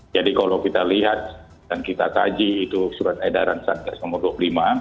jadi kalau kita lihat dan kita taji itu surat edaran satgas nomor dua puluh lima